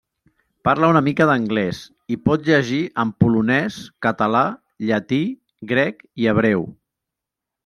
Parla una mica d'anglès; i pot llegir en polonès, català, llatí, grec i hebreu.